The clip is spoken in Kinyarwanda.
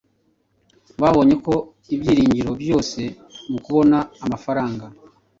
Babonye ko ibyiringiro byose mukubona amafaranga